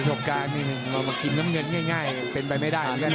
จะไปส่งการมากินน้ำเงินง่ายเป็นไปไม่ได้